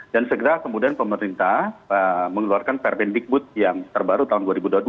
dan segera kemudian pemerintah mengeluarkan perbendikbud yang terbaru tahun dua ribu dua puluh dua